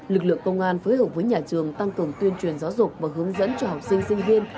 lực lượng công an phối hợp với nhà trường tăng cường tuyên truyền giáo dục và hướng dẫn cho học sinh sinh viên